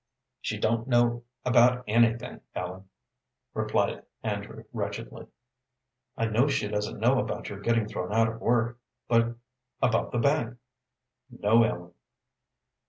"She don't know about anything, Ellen," replied Andrew, wretchedly. "I know she doesn't know about your getting thrown out of work but about the bank?" "No, Ellen."